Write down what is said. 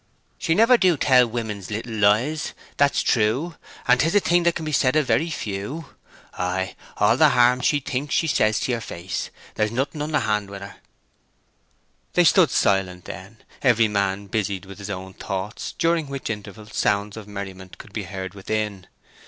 "She never do tell women's little lies, that's true; and 'tis a thing that can be said of very few. Ay, all the harm she thinks she says to yer face: there's nothing underhand wi' her." They stood silent then, every man busied with his own thoughts, during which interval sounds of merriment could be heard within.